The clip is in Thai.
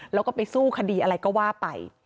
แล้วก็ไปสู้คดีอะไรก็ว่าไป